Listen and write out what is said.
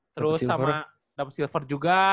terus sama dapat silver juga